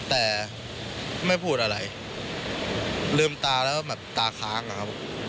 แต่ไม่พูดอะไรลืมตาแล้วแบบตาค้างอะครับ